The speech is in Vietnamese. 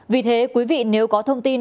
vì thế quý vị nếu có thông tin